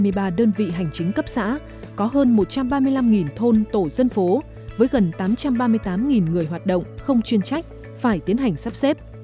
cả nước có sáu trăm hai mươi ba đơn vị hành chính cấp xã có hơn một trăm ba mươi năm thôn tổ dân phố với gần tám trăm ba mươi tám người hoạt động không chuyên trách phải tiến hành sắp xếp